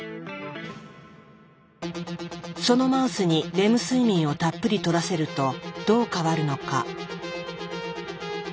そのマウスにレム睡眠をたっぷり取らせるとどう変わるのか。